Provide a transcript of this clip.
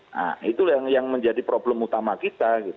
nah itulah yang menjadi problem utama kita